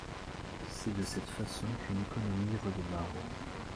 Et c’est de cette façon qu’une économie redémarre.